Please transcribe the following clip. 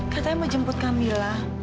katanya mau jemput kamila